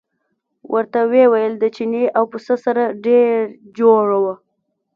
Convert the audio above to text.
ورته ویې ویل د چیني او پسه سره ډېره جوړه وه.